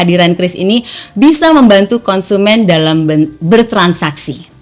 dan kris ini bisa membantu konsumen dalam bertransaksi